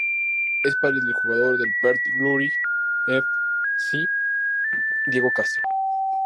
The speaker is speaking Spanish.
Es padre del jugador del Perth Glory F. C. Diego Castro.